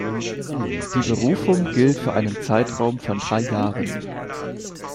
Die Berufung gilt für einen Zeitraum von drei Jahren.